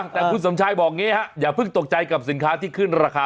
แต่คุณสมชายบอกอย่างนี้ฮะอย่าเพิ่งตกใจกับสินค้าที่ขึ้นราคา